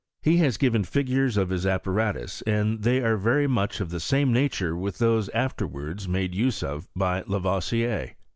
He liHH given ti^turcs of his apparatus, and they are very much of the same nature with those afterwards made use of by Lavoisier.